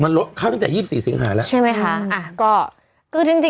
มันลดข้างจาก๒๔สิงหาแล้ว